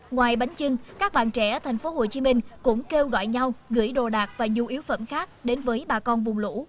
ngoài bánh trưng các bạn trẻ thành phố hồ chí minh cũng kêu gọi nhau gửi đồ đạc và du yếu phẩm khác đến với bà con vùng lũ